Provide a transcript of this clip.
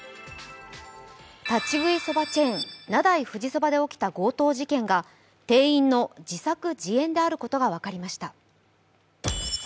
立ち食いそばチェーン・名代富士そばで起きた強盗事件が店員の自作自演であることが分かりました。